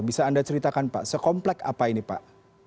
bisa anda ceritakan pak sekomplek apa ini pak